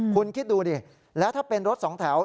คุณคิดดูดิแล้วถ้าเป็นรถสองแถว